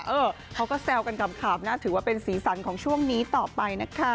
เออเขาก็แซวกันขำนะถือว่าเป็นสีสันของช่วงนี้ต่อไปนะคะ